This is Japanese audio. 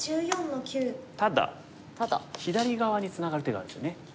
ただ左側にツナがる手があるんですよね。